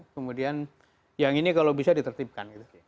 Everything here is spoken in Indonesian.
kemudian yang ini kalau bisa ditertibkan